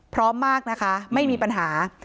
พร้อมมากนะคะไม่มีปัญหา